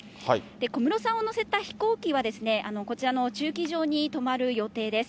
小室さんを乗せた飛行機は、こちらの駐機場に止まる予定です。